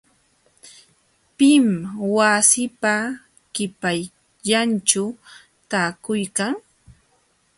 ¿Pim wasiipa qipallanćhu taakuykan.?